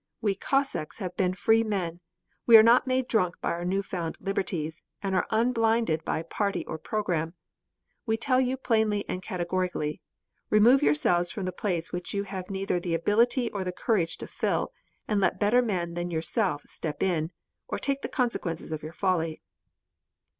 "We Cossacks have been free men. We are not made drunk by our new found liberties and are unblinded by party or program. We tell you plainly and categorically, 'Remove yourselves from the place which you have neither the ability or the courage to fill, and let better men than yourselves step in, or take the consequences of your folly.'"